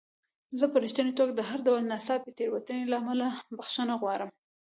زه په رښتینې توګه د هر ډول ناڅاپي تېروتنې له امله بخښنه غواړم.